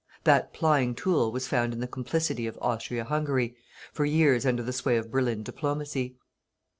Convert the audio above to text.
That plying tool was found in the complicity of Austria Hungary, for years under the sway of Berlin diplomacy.